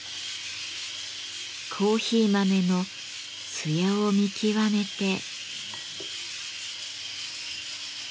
コーヒー豆の艶を見極めて。